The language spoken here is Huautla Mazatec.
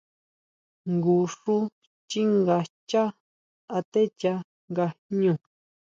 Jngu xú xchínga xchá atechá nga jñú.